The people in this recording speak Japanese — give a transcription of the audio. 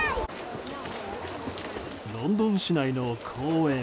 ロンドン市内の公園。